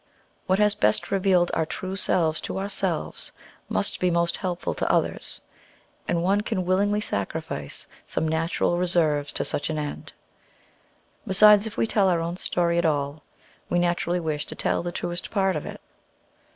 What has best revealed our true selves to ourselves must be most helpful to others, and one can willingly sacrifice some natural reserves to such an end. Besides, if we tell our own story at all, we naturally wish to tell the truest part of it.